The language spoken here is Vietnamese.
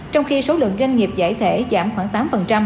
trong khi số lượng doanh nghiệp giải thể giảm khoảng tám